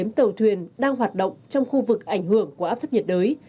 tỉnh tàu thuyền đang hoạt động trong khu vực ảnh hưởng của áp thấp nhiệt đới